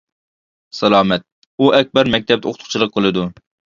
سالامەت : ئۇ ئەكبەر، مەكتەپتە ئوقۇتقۇچىلىق قىلىدۇ.